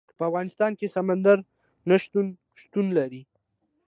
په افغانستان کې سمندر نه شتون شتون لري.